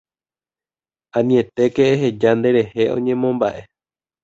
Anietéke eheja nderehe oñemomba'e